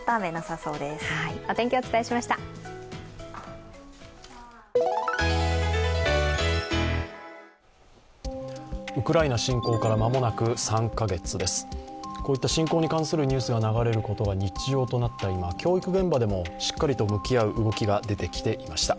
こういった侵攻に関するニュースが流れることが日常となった今教育現場でもしっかり向き合う動きが出てきていました。